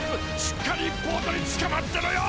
しっかりボートにつかまってろよ！